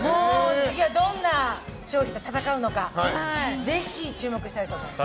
次はどんな商品と戦うのかぜひ注目したいと思います。